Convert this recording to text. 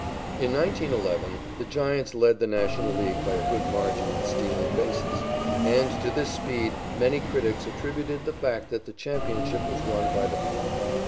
In 1911 the Giants led the National League by a good margin in stealing bases, and to this speed many critics attributed the fact that the championship was won by the club.